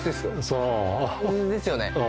そうですよね